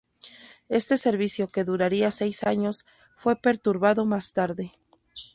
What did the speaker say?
Este servicio, que duraría seis años, fue perpetuado más tarde.